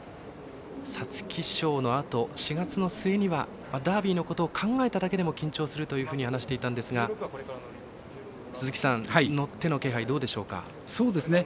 皐月賞のあと、４月の末にはダービーのことを考えただけでも緊張するというふうに話していたんですが鈴木さん、乗っての気配どうでしょうか？